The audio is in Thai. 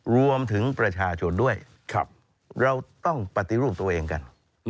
รวมถึงประชาชนด้วยเราต้องปฏิรูปตัวเองกัน